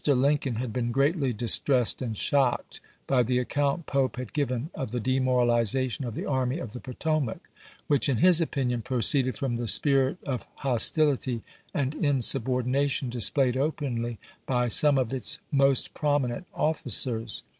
Lincoln had been greatly dis tressed and shocked by the account Pope had given of the demoralization of the Army of the Potomac, which, in his opinion, proceeded from the spirit of hostility and insubordination dis played openly by some of its most prominent offi cers.